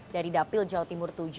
dari dapil jawa timur tujuh